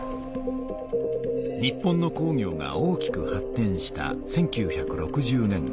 日本の工業が大きく発てんした１９６０年代。